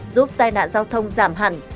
giúp tai nạn giao thông giảm hẳn